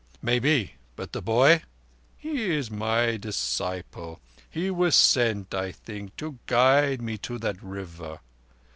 "Maybe—but the boy?" "He is my disciple. He was sent, I think, to guide me to that River.